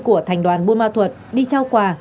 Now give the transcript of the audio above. của thành đoàn bùa ma thuột đi trao quà